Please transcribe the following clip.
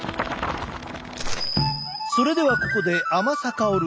それではここで甘さ香る